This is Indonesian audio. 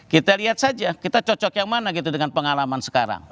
kita lihat saja kita cocok yang mana gitu dengan pengalaman sekarang